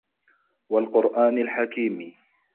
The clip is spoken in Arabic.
وَالقُرآنِ الحَكيمِ